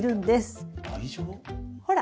ほら。